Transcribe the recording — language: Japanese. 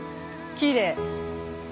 きれい。